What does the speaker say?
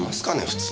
普通。